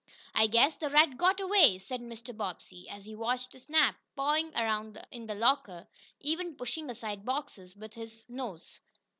"I guess the rat got away," said Mr. Bobbsey, as he watched Snap pawing around in the locker, even pushing aside boxes with his nose.